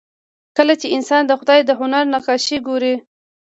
کله چې انسان د خدای د هنر نقاشي ګوري